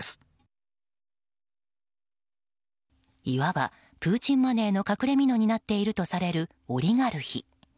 いわば、プーチンマネーの隠れ蓑になっているとされるオリガルヒ。